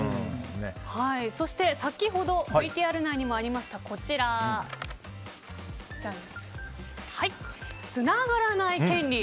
そして、先ほどＶＴＲ内にもありましたつながらない権利。